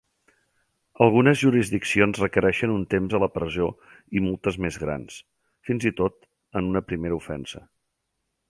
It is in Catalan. Algunes jurisdiccions requereixen un temps a la presó i multes més grans, fins i tot en una primera ofensa.